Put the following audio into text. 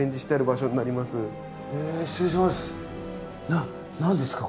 な何ですか？